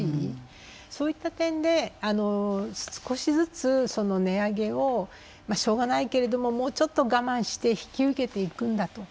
そういった点で少しずつ値上げをしょうがないけれどももうちょっと我慢して引き受けていくんだと。